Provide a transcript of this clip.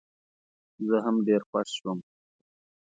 زه هم ډېر خوښ شوم.